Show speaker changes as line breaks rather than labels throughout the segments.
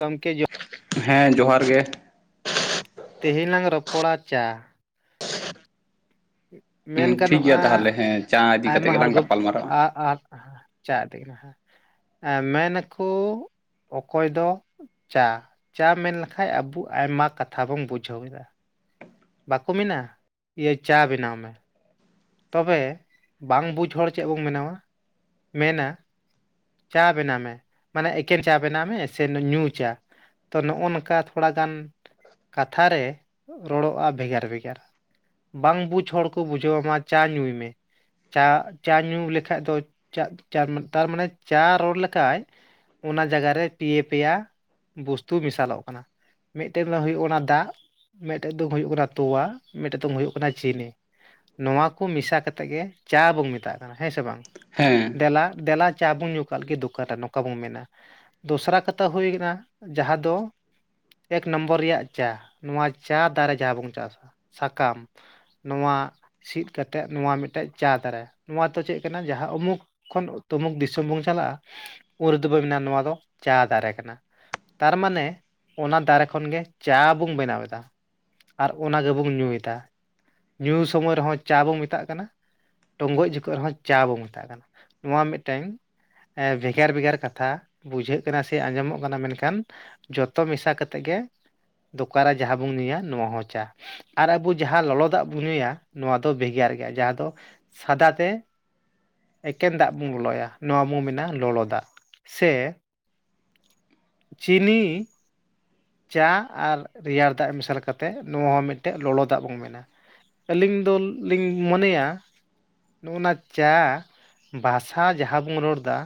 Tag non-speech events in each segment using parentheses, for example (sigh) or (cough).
ᱜᱚᱢᱠᱮ ᱡᱚ
ᱦᱮᱸ, ᱡᱚᱦᱟᱨ ᱜᱮ ᱾
ᱛᱮᱦᱮᱧ ᱞᱟᱝ ᱨᱚᱯᱚᱲᱟ ᱪᱟ ᱾ ᱢᱮᱱ
ᱴᱷᱤᱠ
ᱜᱟᱱᱚᱜᱼᱟ
ᱜᱮᱭᱟ ᱛᱟᱦᱚᱞᱮ ᱦᱮᱸ ᱪᱟ ᱤᱫᱤ
ᱟᱭᱢᱟ
ᱠᱟᱛᱮᱜ
ᱦᱚᱲ
ᱜᱮᱞᱟᱝ
ᱜᱚᱵ
ᱜᱟᱯᱟᱞ ᱢᱟᱨᱟᱜᱼᱟ
ᱟᱼᱟᱨ ᱦᱟᱸ ᱾ ᱪᱟ ᱟᱛᱮᱜ ᱜᱮᱞᱟᱝ ᱦᱮᱸ, ᱮᱸ ᱢᱮᱱᱟᱠᱚ ᱚᱠᱚᱭ ᱫᱚ ᱪᱟ ᱪᱟ ᱢᱮᱱ ᱞᱮᱠᱟᱡ ᱟᱵᱩ ᱟᱭᱢᱟ ᱠᱟᱛᱷᱟ ᱵᱚᱱ ᱵᱩᱡᱷᱟᱹᱣ ᱮᱫᱟ ᱾ ᱵᱟᱠᱚ ᱢᱮᱱᱟ ᱤᱭᱟᱹ ᱪᱟ ᱵᱮᱱᱟᱣ ᱢᱮ ᱾ ᱛᱚᱵᱮ ᱵᱟᱝ ᱵᱩᱡᱽ ᱦᱚᱲ ᱪᱮᱫ ᱵᱚᱱ ᱢᱮᱱᱟᱣᱟ ᱢᱮᱱᱟ ᱪᱟ ᱵᱮᱱᱟᱣ ᱢᱮ, ᱢᱟᱱᱮ ᱮᱠᱮᱱ ᱪᱟ ᱵᱮᱱᱟᱣ ᱢᱮ ᱥᱮ ᱱᱩ ᱧᱩ ᱪᱟ! ᱛᱚ ᱱᱚᱜᱼᱚ ᱱᱚᱝᱠᱟ ᱛᱷᱚᱲᱟᱜᱟᱱ ᱠᱟᱛᱷᱟ ᱨᱮ ᱨᱚᱲᱚᱜᱼᱟ ᱵᱷᱮᱜᱟᱨ ᱵᱷᱮᱜᱟᱨ ᱾ ᱵᱟᱝ ᱵᱩᱡᱽ ᱦᱚᱲ ᱠᱚ ᱵᱩᱡᱷᱟᱹᱣᱟᱢᱟ ᱪᱟ ᱧᱩᱭ ᱢᱮ ᱾ ᱪᱟ ᱪᱟ ᱧᱩ ᱞᱮᱠᱷᱟᱡ ᱫᱚ ᱪᱟ ᱪᱟ ᱛᱟᱨᱢᱟᱱᱮ ᱪᱟ ᱨᱚᱲ ᱞᱮᱠᱷᱟᱡ ᱚᱱᱟ ᱡᱟᱜᱟ ᱨᱮ ᱯᱮ ᱯᱮᱭᱟ ᱵᱚᱥᱛᱩ ᱢᱮᱥᱟᱞᱚᱜ ᱠᱟᱱᱟ ᱾ ᱢᱤᱫᱴᱮᱱ ᱫᱚ ᱦᱩᱭᱩᱜ ᱠᱟᱱᱟ ᱫᱟᱜ, ᱢᱮᱴᱮᱱ ᱫᱚ ᱦᱩᱭᱩᱜ ᱠᱟᱱᱟ ᱛᱚᱣᱟ, ᱢᱤᱫᱴᱮᱱ ᱫᱚᱝ ᱦᱩᱭᱩᱜ ᱠᱟᱱᱟ ᱪᱤᱱᱤ ᱾ ᱱᱚᱣᱟ ᱠᱚ ᱢᱮᱥᱟ ᱠᱟᱛᱮ ᱜᱮ ᱪᱟ ᱵᱚᱝ ᱢᱮᱛᱟᱜ ᱠᱟᱱᱟ ᱦᱮᱸ ᱥᱮ ᱵᱟᱝ!
ᱦᱮᱸ
ᱫᱮᱞᱟ ᱫᱮᱞᱟ ᱪᱟ ᱵᱚᱱ ᱧᱩ ᱠᱟᱞ ᱜᱮ ᱫᱚᱠᱟᱨᱮ ᱱᱚᱠᱟ ᱵᱚᱱ ᱢᱮᱱᱟ, ᱫᱚᱥᱨᱟ ᱠᱟᱛᱷᱟ ᱦᱳᱭ ᱠᱟᱱᱟ ᱡᱟᱦᱟᱸ ᱫᱚ ᱮᱠ ᱱᱚᱢᱵᱚᱨ ᱨᱮᱭᱟᱜ ᱪᱟ, ᱱᱚᱣᱟ ᱪᱟ ᱫᱟᱨᱮ ᱡᱟᱦᱟᱸ ᱵᱚᱝ ᱪᱟᱥᱟ, ᱥᱟᱠᱟᱢ ᱱᱚᱣᱟ ᱥᱤᱫ ᱠᱟᱛᱮᱫ ᱱᱚᱣᱟ ᱢᱤᱫᱴᱮᱡ ᱪᱟ ᱫᱟᱨᱮ ᱱᱚᱣᱟ ᱫᱚ ᱪᱮᱫ ᱠᱟᱱᱟ ᱡᱟᱦᱟᱸ ᱩᱢᱩᱠ ᱠᱷᱚᱱ ᱛᱢᱩᱠ ᱫᱤᱥᱚᱢ ᱵᱚᱝ ᱪᱟᱞᱟᱜᱼᱟ, ᱩᱱ ᱨᱮᱫᱚ ᱵᱚᱱ ᱢᱮᱱᱟ ᱱᱚᱣᱟ ᱫᱚ ᱪᱟ ᱫᱟᱨᱮ ᱠᱟᱱᱟ ᱾ ᱛᱟᱨᱢᱟᱱᱮ ᱚᱱᱟ ᱫᱟᱨᱮ ᱠᱷᱚᱱ ᱜᱮ ᱪᱟ ᱵᱚᱝ ᱵᱮᱱᱟᱣ ᱮᱫᱟ ᱾ ᱟᱨ ᱚᱱᱟ ᱜᱮᱵᱚᱝ ᱧᱩᱭᱮᱫᱟ, ᱧᱩ ᱥᱚᱢᱚᱭ ᱨᱮᱦᱚᱸ ᱪᱟ ᱵᱚᱝ ᱢᱮᱛᱟᱜ ᱠᱟᱱᱟ ᱾ ᱴᱚᱝᱜᱚᱡ ᱡᱚᱠᱷᱚᱡ ᱨᱮᱦᱚᱸ ᱪᱟ ᱵᱚᱝ ᱢᱮᱛᱟᱜ ᱠᱟᱱᱟ, ᱱᱚᱣᱟ ᱢᱤᱫᱴᱮᱝ ᱮᱸ ᱵᱷᱮᱜᱟᱨ ᱵᱷᱮᱜᱟᱨ ᱠᱟᱛᱷᱟ ᱵᱩᱡᱷᱟᱹᱜ ᱠᱟᱱᱟ ᱥᱮ ᱟᱸᱡᱚᱢᱚᱜ ᱠᱟᱱᱟ, ᱢᱮᱱᱠᱷᱟᱱ ᱡᱚᱛᱚ ᱢᱮᱥᱟ ᱠᱟᱛᱮᱜ ᱜᱮ ᱫᱚᱠᱟᱨᱮ ᱡᱟᱦᱟᱸ ᱵᱩᱝ ᱧᱩᱭᱟ ᱱᱚᱣᱟ ᱦᱚᱸ ᱪᱟ ᱟᱨ ᱟᱵᱩ ᱡᱟᱦᱟᱸ ᱞᱚᱞᱚ ᱫᱟᱜ ᱵᱩᱝ ᱧᱩᱭᱟ ᱱᱚᱣᱟ ᱫᱚ ᱵᱷᱮᱜᱟᱨ ᱜᱮᱭᱟ, ᱡᱟᱦᱟᱸ ᱫᱚ ᱥᱟᱫᱟ ᱛᱮ ᱮᱠᱮᱱ ᱫᱟᱜ ᱵᱚᱱ ᱞᱚᱞᱚᱭᱟ ᱱᱚᱣᱟ ᱵᱚᱝ ᱢᱮᱱᱟ ᱞᱚᱞᱚ ᱫᱟᱜ, ᱥᱮ ᱪᱤᱱᱤ, ᱪᱟ ᱟᱨ ᱨᱮᱭᱟᱨ ᱫᱟᱜ ᱢᱮᱥᱟᱞ ᱠᱟᱛᱮᱫ ᱱᱚᱣᱟ ᱦᱚᱸ ᱢᱤᱫᱴᱮᱜ ᱞᱚᱞᱚ ᱫᱟᱜ ᱵᱚᱝ ᱢᱮᱱᱟ ᱾ ᱟᱹᱞᱤᱝ ᱫᱚ ᱞᱤᱝ ᱢᱚᱱᱮᱭᱟ ᱱᱚᱜᱼᱚᱱᱟ ᱪᱟ ᱵᱷᱟᱥᱟ ᱡᱟᱦᱟᱸ ᱵᱚᱝ ᱨᱚᱲᱫᱟ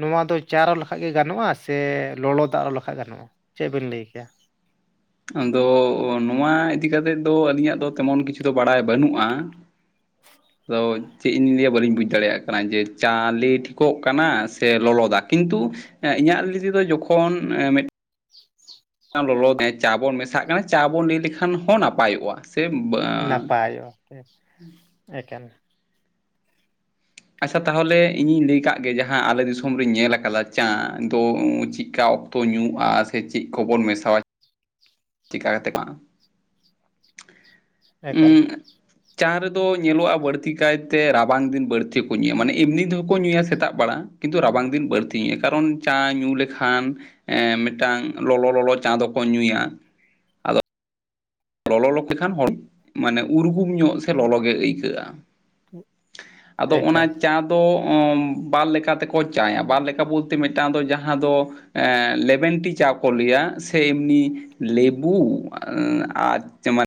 ᱱᱚᱣᱟ ᱫᱚ ᱪᱟ ᱨᱚᱲ ᱞᱮᱠᱷᱟᱡ ᱜᱮ ᱜᱟᱱᱚᱜᱼᱟ ᱥᱮ ᱞᱚᱞᱚ ᱫᱟᱜ ᱨᱚᱲ ᱞᱮᱠᱷᱟᱡ ᱜᱟᱱᱚᱜᱼᱟ, ᱪᱮᱫ ᱵᱮᱱ ᱞᱟᱹᱭ ᱠᱮᱭᱟ?
ᱟᱫᱚ ᱱᱚᱣᱟ ᱤᱫᱤ ᱠᱟᱛᱮᱫ ᱫᱚ ᱟᱹᱞᱤᱧᱟᱜ ᱫᱚ ᱛᱮᱢᱚᱱ ᱠᱤᱪᱷᱩ ᱫᱚ ᱵᱟᱲᱟᱭ ᱵᱟᱹᱱᱩᱜᱼᱟ ᱾
(inaudible)
ᱟᱫᱚ ᱪᱮᱫ ᱤᱧ ᱞᱟᱹᱭᱟ ᱵᱟᱹᱞᱤᱧ ᱵᱩᱡᱽ ᱫᱚ ᱪᱮᱫ ᱤᱧ ᱞᱟᱹᱭᱟ ᱵᱟᱞᱤᱧ ᱵᱩᱡ ᱟᱲᱮᱭᱟᱜ ᱠᱟᱱᱟ ᱡᱮ ᱪᱟ ᱞᱮ ᱴᱷᱤᱠᱚᱜ ᱠᱟᱱᱟ ᱥᱮ ᱞᱚᱞᱚ ᱫᱟᱜ? ᱠᱤᱱᱛᱩ ᱮᱸ ᱤᱧᱟᱹᱜ ᱞᱮᱭ ᱛᱮᱫᱚ ᱡᱚᱠᱷᱚᱱ ᱢᱮᱫ (unintelligible) ᱪᱟ ᱵᱚᱱ ᱢᱮᱥᱟᱜ ᱠᱟᱱᱟ ᱪᱟ ᱵᱚᱱ ᱞᱟᱹᱭ ᱞᱮᱠᱷᱟᱱ ᱦᱚᱸ ᱱᱟᱯᱟᱭᱚᱜᱼᱟ ᱾ ᱥᱮᱢ ᱩᱵᱟᱜᱼᱟ ᱾
ᱱᱟᱯᱟᱭ ᱚ (inaudible) ᱮᱠᱮᱱ
ᱟᱪᱪᱷᱟ ᱛᱟᱦᱚᱞᱮ ᱤᱧᱤᱧ ᱞᱟᱹᱭ ᱟᱠᱟᱫ ᱜᱮ ᱡᱟᱦᱟᱸ ᱟᱞᱮ ᱫᱤᱥᱚᱢ ᱨᱤᱧ ᱧᱮᱞ ᱟᱠᱟᱫᱟ ᱪᱟ ᱫᱚ ᱪᱤᱠᱟ ᱚᱠ ᱛᱚ ᱧᱩᱼᱟ ᱥᱮ ᱪᱮᱫ ᱠᱚᱵᱚᱱ ᱢᱮᱥᱟᱣᱟ (unintelligible) ᱛᱮ ᱵᱟᱝ (inaudible)
ᱮᱠᱟᱞ
ᱩᱸᱜ ᱪᱟ ᱨᱮᱫᱚ ᱧᱮᱞᱚᱜᱼᱟ ᱵᱟᱹᱲᱛᱤ ᱠᱟᱭᱛᱮ ᱨᱟᱵᱟᱝ ᱫᱤᱱ ᱵᱟᱹᱲᱛᱤ ᱠᱚ ᱧᱩᱭᱟ, ᱢᱟᱱᱮ ᱮᱢᱱᱤ ᱛᱮᱦᱚᱸ ᱠᱚ ᱧᱩᱭᱟ ᱥᱮᱛᱟᱜ ᱵᱮᱲᱟ ᱾ ᱠᱤᱱᱛᱩ ᱨᱟᱵᱟᱝ ᱫᱤᱱ ᱵᱟᱹᱲᱛᱤ, ᱠᱟᱨᱚᱱ ᱪᱟ ᱧᱩ ᱞᱮᱠᱷᱟᱱ ᱮᱸ ᱢᱤᱫᱴᱟᱝ ᱞᱚᱞᱚ ᱞᱚᱞᱚ ᱪᱟᱸ ᱫᱚᱠᱚ ᱧᱩᱭᱟ ᱾ (inaudible) ᱟᱫᱚ ᱞᱚᱞᱚ ᱛᱮ ᱠᱷᱟᱱ ᱦᱚᱲ ᱢᱟᱱᱮ ᱩᱨᱜᱩᱢ ᱧᱚᱜ ᱥᱮ ᱞᱚᱞᱚ ᱜᱮ ᱟᱹᱭᱠᱟᱹᱜᱼᱟ ᱾ (inaudible) ᱟᱫᱚ ᱚᱱᱟ
ᱮᱠᱟᱞ
ᱪᱟ ᱛᱚ ᱚ ᱵᱟᱨ ᱞᱮᱠᱟ ᱛᱮᱠᱚ ᱪᱟᱭᱟ ᱵᱟᱨ ᱞᱮᱠᱟ ᱵᱚᱞᱛᱮ ᱢᱤᱫᱴᱟᱝ ᱫᱚ ᱡᱟᱦᱟᱸ ᱫᱚ ᱮᱸᱻ ᱞᱮᱵᱮᱱ ᱴᱤ ᱪᱟ ᱠᱚ ᱞᱟᱹᱭᱟ ᱥᱮ ᱮᱢᱱᱤ ᱞᱮᱵᱩ ᱟᱨ (unintelligible)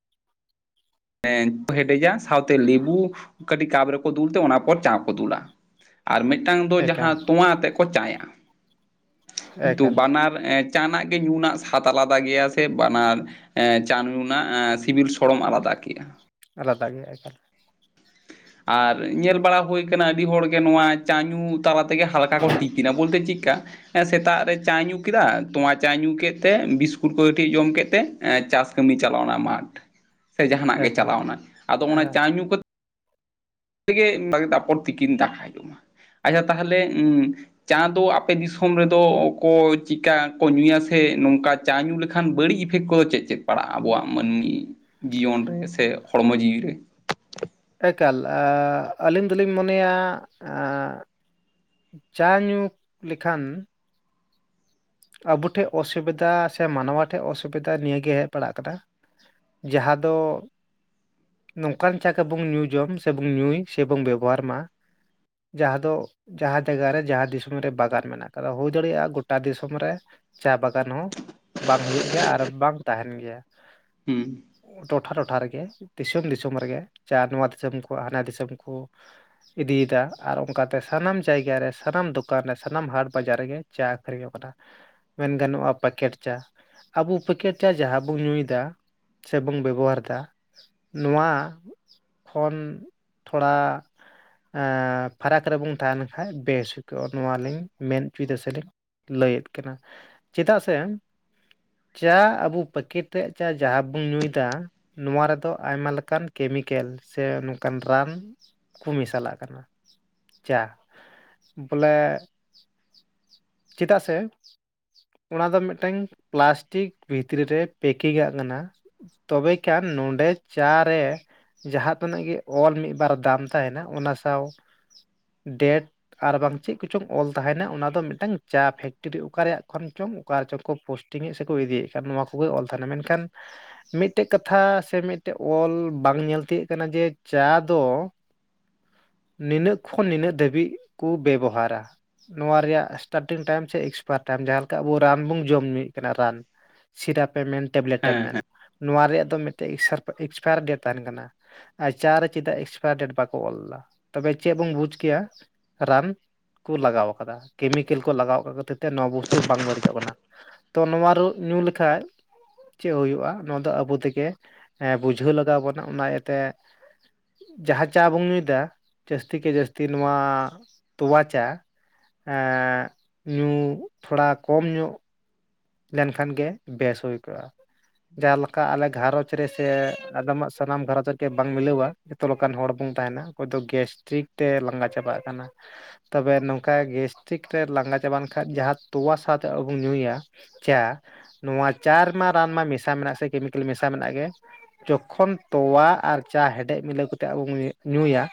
(unintelligible) ᱦᱮᱰᱮᱡᱟ ᱥᱟᱶᱛᱮ ᱞᱮᱵᱩ ᱠᱟᱹᱴᱤᱡ ᱠᱟᱯ ᱨᱮᱠᱚ ᱫᱩᱞ ᱛᱮ ᱚᱱᱟ ᱯᱚᱨ ᱪᱟ ᱠᱚ ᱫᱩᱞᱟ ᱾ ᱟᱨ ᱢᱤᱫᱴᱟᱝ ᱫᱚ
ᱮᱠᱟᱞ
ᱡᱟᱦᱟᱸ ᱛᱚᱸᱶᱟ ᱟᱛᱮᱜ ᱠᱚᱸ ᱪᱟᱭᱟ ᱾ (inaudible) ᱛᱩ
ᱮᱠᱟᱞ
ᱵᱟᱱᱟᱨ ᱮ ᱪᱟᱸ ᱱᱟᱜ ᱜᱮ ᱧᱩᱱᱟᱜ ᱥᱟᱫ ᱟᱞᱟᱫᱟ ᱜᱮᱭᱟ ᱥᱮ ᱵᱟᱱᱟᱨ ᱮ ᱪᱟ (unintelligible) ᱥᱤᱵᱤᱞ ᱥᱚᱲᱚᱢ ᱟᱞᱟᱫᱟ ᱠᱮᱫᱼᱟ ᱾
ᱟᱞᱟᱫᱟ ᱜᱮ ᱮᱠᱟᱞ ᱾
ᱟᱨ ᱧᱮᱞ ᱵᱟᱲᱟ ᱦᱩᱭ ᱟᱠᱟᱱᱟ ᱟᱹᱰᱤ ᱦᱚᱲᱜᱮ ᱱᱚᱣᱟ ᱪᱟ ᱧᱩ ᱛᱟᱞᱟ ᱛᱮᱜᱮ ᱦᱟᱞᱠᱟ ᱠᱚ ᱴᱤᱯᱤᱱᱟ, ᱵᱚᱞᱛᱮ ᱪᱤᱜᱠᱟ ᱦᱮᱸ ᱥᱮᱛᱟᱜ ᱨᱮ ᱪᱟᱭ ᱧᱩ ᱠᱮᱫᱟ ᱾ ᱛᱚᱣᱟ ᱪᱟᱭ ᱧᱩ ᱠᱮᱫ ᱛᱮ ᱵᱤᱥᱠᱩᱴ ᱠᱚᱸ ᱠᱟᱹᱴᱷᱤᱡ ᱮ ᱡᱚᱢ ᱠᱮᱫ ᱛᱮ ᱮ ᱪᱟᱥ ᱠᱟᱹᱢᱤᱭ ᱪᱟᱞᱟᱣ ᱮᱱᱟ ᱢᱟᱴᱷ ᱾
(inaudible)
ᱥᱮ ᱡᱟᱦᱟᱱᱟᱜ ᱜᱮ
ᱮᱠᱟᱞ
ᱪᱟᱞᱟᱣ ᱮᱱᱟ, ᱟᱫᱚ ᱚᱱᱟ
ᱮᱠᱟᱞ
ᱪᱟ ᱧᱩ ᱠᱟ ᱛᱮ ᱜᱮ ᱛᱟᱯᱚᱨ ᱛᱤᱠᱤᱱ ᱫᱟᱠᱟᱭ ᱡᱚᱢᱟ ᱾ (inaudible) ᱟᱪᱪᱷᱟ ᱛᱟᱦᱚᱞᱮ ᱩᱸ ᱪᱟᱸ ᱫᱚ ᱟᱯᱮ ᱫᱤᱥᱚᱢ ᱨᱮᱫᱚ ᱚᱠᱚᱭ ᱪᱤᱫ ᱠᱟ ᱠᱚ ᱧᱩᱭᱟ ᱥᱮ ᱱᱚᱝᱠᱟ ᱪᱟ ᱧᱩ ᱞᱮᱠᱷᱟᱱ ᱵᱟᱹᱲᱤᱡ ᱤᱯᱷᱮᱠᱴ ᱠᱚᱫᱚ ᱪᱮᱫ ᱪᱮᱫ ᱯᱟᱲᱟᱜᱼᱟ? ᱟᱵᱚᱣᱟᱜ ᱢᱟᱹᱱᱢᱤ ᱡᱤᱭᱚᱱ ᱨᱮ ᱥᱮ ᱦᱚᱲᱢᱚ ᱡᱤᱣᱤ ᱨᱮ ᱾
ᱮᱠᱟᱞ ᱮ ᱟᱹᱞᱤᱧ ᱫᱚᱞᱤᱧ ᱢᱚᱱᱮᱭᱟ ᱟᱸᱻ ᱪᱟ ᱧᱩ ᱞᱮᱠᱷᱟᱱ ᱟᱵᱚ ᱴᱷᱮᱡ ᱚᱥᱩᱵᱤᱫᱟ ᱥᱮ ᱢᱟᱱᱣᱟ ᱴᱷᱮᱡ ᱚᱥᱩᱵᱤᱫᱟ ᱱᱤᱭᱟᱹ ᱜᱮ ᱯᱟᱲᱟᱜ ᱠᱟᱱᱟ ᱡᱟᱦᱟ ᱫᱚ ᱱᱚᱝᱠᱟᱱ ᱪᱟ ᱠᱚᱵᱚᱱ ᱧᱩ ᱡᱚᱢ ᱥᱮᱵᱚᱱ ᱧᱩᱭ ᱥᱮᱵᱚᱱ ᱵᱮᱵᱷᱟᱨ ᱢᱟ ᱡᱟᱦᱟᱸ ᱫᱚ ᱡᱟᱦᱟᱸ ᱡᱟᱭᱜᱟ ᱨᱮ ᱡᱟᱦᱟᱸ ᱫᱤᱥᱚᱢ ᱨᱮ ᱵᱟᱜᱟᱱ ᱢᱮᱱᱟᱜ ᱟᱠᱟᱫᱟ, ᱦᱚᱭ ᱫᱟᱲᱮᱭᱟᱜᱼᱟ ᱜᱚᱴᱟ ᱫᱤ ᱥᱚᱢ ᱨᱮ ᱪᱟ ᱵᱟᱜᱟᱱ ᱦᱚᱸ ᱵᱟᱝ ᱦᱩᱭᱩᱜ ᱜᱮᱭᱟ ᱟᱨ ᱵᱟᱝ ᱛᱟᱦᱮᱱ ᱜᱮᱭᱟ ᱾
ᱦᱩᱸ ᱾
ᱴᱚᱴᱷᱟ ᱴᱚᱴᱷᱟ ᱨᱮᱜᱮ ᱫᱤᱥᱚᱢ ᱫᱤᱥᱚᱢ ᱨᱮᱜᱮ ᱡᱟᱦᱟᱸ ᱱᱚᱣᱟ ᱫᱤᱥᱚᱢ ᱠᱷᱚᱡ ᱦᱟᱱᱟ ᱫᱤᱥᱚᱢ ᱠᱩ ᱤᱫᱤᱭᱮᱫᱟ ᱟᱨ ᱚᱱᱠᱟ ᱛᱮ ᱥᱟᱱᱟᱢ ᱡᱟᱭᱜᱟ ᱨᱮ ᱥᱟᱱᱟᱢ ᱫᱚᱠᱟᱱ ᱨᱮ ᱥᱟᱱᱟᱢ ᱦᱟᱴ ᱵᱟᱡᱟᱨ ᱨᱮᱜᱮ ᱪᱟ ᱟᱠᱷᱨᱤᱧᱚᱜ ᱠᱟᱱᱟ. ᱢᱮᱱ ᱜᱟᱱᱚᱜᱼᱟ ᱯᱟᱠᱮᱴ ᱪᱟ, ᱟᱵᱚ ᱯᱮᱠᱮᱴ ᱪᱟ ᱡᱟᱦᱟᱸ ᱵᱚᱱ ᱧᱩᱭ ᱮᱫᱟ ᱥᱮ ᱵᱚᱱ ᱵᱮᱵᱚᱦᱟᱨ ᱮᱫᱟ ᱱᱚᱣᱟ ᱠᱷᱚᱱ ᱛᱷᱚᱲᱟ ᱮᱸ ᱯᱷᱟᱨᱟᱠ ᱨᱮᱵᱚᱱ ᱛᱟᱦᱮᱱ ᱠᱷᱟᱡ ᱵᱮᱥ ᱦᱩᱭ ᱠᱚᱜᱼᱟ ᱱᱚᱣᱟ ᱞᱤᱧ ᱢᱮᱱ ᱩᱪᱩᱭ ᱮᱫᱟ ᱥᱮ ᱞᱤᱧ ᱞᱟᱹᱭᱮᱫ ᱠᱟᱱᱟ ᱾ (inaudible) ᱪᱮᱫᱟᱜ ᱥᱮ ᱪᱟ ᱟᱵᱚ ᱯᱮᱠᱮᱴ ᱨᱮᱭᱟᱜ ᱪᱟ ᱡᱟᱦᱟ ᱵᱩᱱ ᱧᱩᱭᱮᱫᱟ ᱱᱚᱣᱟ ᱨᱮᱫᱚ ᱟᱭᱢᱟ ᱞᱮᱠᱟᱱ ᱠᱮᱢᱤᱠᱮᱞ ᱥᱮ ᱱᱚᱝᱠᱟᱱ ᱨᱟᱱ ᱠᱩ ᱢᱮᱥᱟᱞᱟᱜ ᱠᱟᱱᱟ ᱪᱟ ᱵᱚᱞᱮ ᱪᱮᱫᱟᱜ ᱥᱮ ᱚᱱᱟ ᱫᱚ ᱢᱤᱫᱴᱮᱱ ᱯᱞᱟᱥᱴᱤᱠ ᱵᱷᱤᱛᱨᱤ ᱨᱮ ᱯᱮᱠᱤᱝ ᱟᱜ ᱠᱟᱱᱟ᱾ ᱛᱚᱵᱮ ᱠᱷᱟᱱ ᱱᱚᱸᱰᱮ ᱪᱟᱨᱮ ᱡᱟᱦᱟᱸ ᱛᱤᱱᱟᱹᱜ ᱜᱮ ᱚᱞ ᱢᱤᱫ ᱵᱟᱨ ᱫᱟᱢ ᱛᱟᱦᱮᱱᱟ, ᱚᱱᱟ ᱥᱟᱶ ᱰᱮᱴ ᱟᱨ ᱵᱟᱝ ᱪᱮᱫ ᱠᱚᱪᱚᱝ, ᱚᱞ ᱛᱟᱦᱮᱱᱟ ᱚᱱᱟ ᱫᱚ ᱢᱤᱫᱴᱟᱝ ᱪᱟ ᱯᱷᱮᱠᱴᱨᱤ ᱚᱠᱟ ᱨᱮᱭᱟᱜ ᱠᱷᱚᱱ ᱪᱚᱝ, ᱚᱠᱟ ᱨᱮ ᱪᱚᱝ ᱠᱚ ᱯᱳᱥᱴᱤᱝ ᱮᱫ ᱥᱮᱠᱚ, ᱤᱫᱤᱭᱮᱫ ᱠᱟᱱ ᱱᱚᱣᱟ ᱠᱚᱜᱮ ᱚᱞ ᱛᱟᱦᱮᱱᱟ ᱢᱮᱱᱠᱷᱟᱱ ᱢᱤᱫᱴᱮᱜ ᱠᱟᱛᱷᱟ ᱥᱮ ᱢᱤᱫᱴᱮᱜ ᱚᱞ, ᱵᱟᱝ ᱧᱮᱞ ᱛᱤᱭᱳᱜ ᱠᱟᱱᱟ, ᱡᱮ ᱪᱟ ᱫᱚ ᱱᱤᱱᱟᱹᱜ ᱠᱷᱚᱱ ᱱᱤᱱᱟᱹᱜ ᱫᱷᱟᱹᱵᱤᱡ ᱠᱩ, ᱵᱮᱵᱚᱦᱟᱨᱟ ᱱᱚᱣᱟ ᱨᱮᱭᱟᱜ ᱤᱥᱴᱟᱴᱤᱝ ᱴᱟᱭᱤᱢ ᱥᱮ ᱮᱠᱥᱯᱟᱭᱟᱨ ᱴᱟᱭᱤᱢ, ᱡᱟᱦᱟᱸ ᱞᱮᱠᱟ ᱟᱵᱩ ᱨᱟᱱ ᱵᱩᱱ ᱡᱚᱢ ᱧᱩᱭᱮᱫ ᱠᱟᱱᱟ ᱨᱟᱱ ᱥᱤᱨᱟᱯᱮᱢ ᱢᱮᱱ ᱴᱮᱵᱞᱮᱴ ᱮᱢ
ᱦᱮᱸ
ᱢᱮᱱ
ᱦᱮᱸ
ᱱᱚᱣᱟ ᱨᱮᱭᱟᱜ ᱫᱚ, ᱢᱤᱫᱴᱮᱱ ᱮᱠᱥᱯᱟᱭᱟᱨ ᱰᱮᱴ ᱛᱟᱦᱮᱱ ᱠᱟᱱᱟ᱾ ᱟᱨ ᱪᱟ ᱨᱮ ᱪᱮᱫᱟᱜ ᱮᱠᱥᱯᱟᱭᱟᱨ ᱰᱮᱴ ᱵᱟᱠᱚ ᱚᱞ ᱫᱟ᱾ ᱛᱚᱵᱮ ᱪᱮ ᱵᱩᱱ ᱵᱩᱡ ᱠᱮᱭᱟ, ᱨᱟᱱ ᱠᱚ ᱞᱟᱜᱟᱣ ᱠᱟᱫᱟ ᱠᱮᱢᱤ ᱠᱮᱞ ᱠᱚ ᱞᱟᱜᱟᱣ ᱠᱷᱟᱹᱛᱤᱨ ᱛᱮ ᱱᱚᱣᱟ ᱵᱚᱥᱛᱩ ᱵᱟᱝ ᱵᱟᱹᱲᱤᱡᱚᱜ ᱠᱟᱱᱟ, ᱛᱚ ᱱᱚᱣᱟ ᱨᱮ ᱧᱩ ᱞᱮᱠᱷᱟᱡ ᱪᱮᱫ ᱦᱩᱭᱩᱜᱼᱟ ᱱᱚᱣᱟ ᱫᱚ ᱟᱵᱚ ᱛᱮᱜᱮ, ᱵᱩᱡᱷᱟᱹᱣ ᱞᱟᱜᱟᱣ ᱵᱚᱱᱟ, ᱚᱱᱟ ᱤᱭᱟᱹᱛᱮ ᱡᱟᱦᱟᱸ ᱪᱟ ᱵᱚᱱ ᱧᱩᱭᱫᱟ, ᱡᱟᱹᱥᱛᱤ ᱠᱮ ᱡᱟᱹᱥᱛᱤ ᱱᱚᱣᱟ, ᱛᱚᱣᱟ ᱪᱟ ᱮᱸ ᱧᱩ ᱛᱷᱚᱲᱟ ᱠᱚᱢ ᱧᱚᱜ ᱞᱮᱱᱠᱷᱟᱱ ᱜᱮ ᱵᱮᱥ ᱦᱳᱭ ᱠᱚᱜᱼᱟ, ᱡᱟᱦᱟᱸᱞᱮ ᱞᱮᱠᱟ ᱟᱞᱮ ᱜᱷᱟᱨᱚᱸᱡᱽ ᱜᱮ ᱨᱮ ᱥᱮ ᱟᱫᱚᱢᱟᱜ ᱥᱟᱱᱟᱢ ᱜᱷᱟᱨᱚᱸᱡᱽ ᱨᱮ ᱵᱟᱝ ᱢᱤᱞᱟᱹᱣᱟ, ᱡᱚᱛᱚ ᱞᱮᱠᱟᱱ ᱦᱚᱲ ᱵᱚᱱ ᱛᱟᱦᱮᱱᱟ, ᱚᱠᱚᱭ ᱫᱚ ᱜᱮᱥᱴᱨᱤᱠ ᱛᱮ ᱞᱟᱸᱜᱟ ᱪᱟᱵᱟᱜ ᱠᱟᱱᱟ᱾ ᱛᱚᱵᱮ ᱱᱚᱝᱠᱟ ᱜᱮᱥᱴᱤᱠ ᱨᱮ ᱞᱟᱸᱜᱟ ᱪᱟᱵ ᱞᱮᱱ ᱠᱷᱟᱱᱡ ᱡᱟᱦᱟᱸ ᱛᱚᱣᱟ ᱥᱟᱶᱛᱮ ᱟᱹᱜᱩ ᱧᱩᱭᱟ ᱪᱟ ᱱᱚᱣᱟ ᱪᱟ ᱨᱮᱢᱟ ᱨᱟᱱ ᱢᱟ ᱢᱮᱥᱟ, ᱢᱮᱱᱟᱜ ᱥᱮ ᱠᱮᱢᱤᱠᱮᱞ ᱢᱮᱥᱟ ᱢᱮᱱᱟᱜ ᱜᱮ᱾ ᱡᱚᱠᱷᱚᱱ ᱛᱚᱣᱟ ᱟᱨ ᱪᱟ ᱦᱮᱰᱮᱡ ᱢᱤᱞᱟᱹᱣ ᱠᱟᱛᱮᱫ ᱟᱵᱚ ᱵᱚᱱ ᱧᱩ ᱧᱩᱭᱟ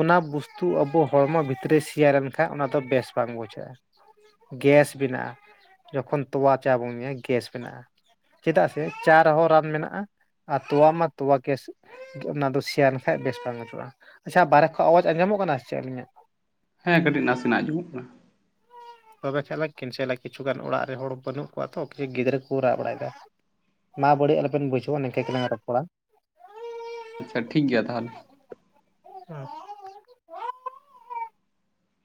ᱚᱱᱟ ᱵᱚᱥᱛᱩ ᱟᱵᱚ ᱦᱚᱲᱢᱚ ᱵᱷᱤᱛᱨᱤ ᱥᱮᱭᱟ ᱞᱮᱱ ᱠᱷᱟᱱ, ᱚᱱᱟᱫᱚ ᱵᱮᱥ ᱵᱟᱝ ᱵᱩᱡᱷᱟᱹᱜᱼᱟ᱾ ᱜᱮᱥ ᱵᱮᱱᱟᱜᱼᱟ, ᱡᱚᱠᱷᱚᱱ ᱛᱚᱣᱟ ᱪᱟ ᱵᱚᱱ ᱧᱩᱭᱟ, ᱜᱮᱥ ᱵᱮᱱᱟᱜᱼᱟ᱾ ᱪᱮᱫᱟᱜ ᱥᱮ ᱪᱟ ᱨᱮᱦᱚᱸ ᱨᱟᱱ ᱢᱮᱱᱟᱜᱼᱟ, ᱟᱨ ᱛᱚᱣᱟ ᱢᱟ ᱛᱚᱣᱟ ᱠᱮᱥ ᱚᱱᱟ ᱫᱚ ᱥᱮᱭᱱ ᱠᱷᱟᱱᱡ ᱵᱮᱥ ᱵᱟᱝ ᱵᱩᱪᱚᱜᱼᱟ, ᱟᱪᱪᱷᱟ ᱵᱟᱦᱨᱮ ᱠᱷᱚᱡ ᱟᱣᱟᱡᱽ ᱟᱸᱡᱚᱢᱚᱜ ᱠᱟᱱᱟ ᱪᱮᱫ ᱟᱹᱞᱤᱧᱟᱜ᱾
ᱦᱮᱸ ᱠᱟᱹᱴᱤᱡ ᱱᱟᱥᱮᱱᱟᱜ ᱟᱸᱡᱚᱢᱚᱜ ᱠᱟᱱᱟ᱾
ᱛᱚᱵᱮ ᱠᱷᱟᱡ ᱞᱟᱝ ᱠᱮᱱᱥᱮᱞᱟ, ᱠᱤᱪᱷᱩᱜᱟᱱ ᱚᱲᱟᱜ ᱨᱮ ᱦᱚᱲ ᱵᱟᱹᱱᱩᱜ ᱠᱚᱣᱟ ᱛᱚ ᱠᱤᱪᱷᱩ, ᱜᱤᱫᱽᱨᱟᱹ ᱠᱚ ᱨᱟᱜ ᱵᱟᱲᱟᱭᱮᱫᱟ᱾ ᱢᱟ ᱵᱟᱹᱲᱤᱡ ᱟᱞᱚᱵᱤᱱ ᱵᱩᱡᱷᱟᱹᱣᱟ ᱱᱤᱝᱠᱟᱹ ᱜᱮᱞᱟᱝ ᱨᱚᱯᱚᱲᱟ᱾
ᱟᱪᱪᱷᱟ ᱴᱷᱤᱠ ᱜᱮᱭᱟ ᱛᱟᱦᱚᱞᱮ᱾
ᱦᱩᱸ (inaudible)